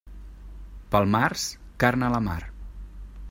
Pel març, carn a la mar.